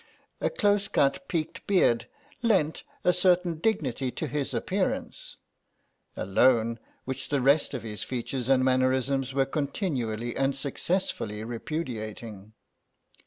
A close cut peaked beard lent a certain dignity to his appearance—a loan which the rest of his features and mannerisms were continually and successfully repudiating.